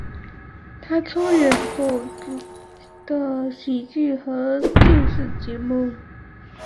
他出演过众多的喜剧和电视节目。